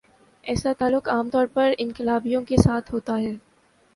ایسا تعلق عام طور پر انقلابیوں کے ساتھ ہوتا ہے۔